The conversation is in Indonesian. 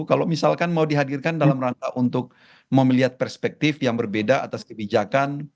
kalau misalkan mau dihadirkan dalam rangka untuk melihat perspektif yang berbeda atas kebijakan